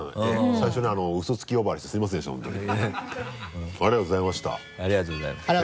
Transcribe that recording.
最初にウソつき呼ばわりしてすいませんでした本当に。